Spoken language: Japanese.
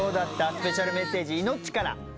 スペシャルメッセージいのっちから。